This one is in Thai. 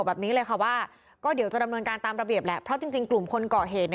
ไปกินข้าวนอนด้วยกันอะไรด้วยกัน